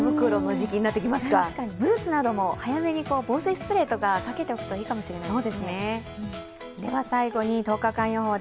ブーツなども早めに防水スプレーなどをかけておくといいかもしれません。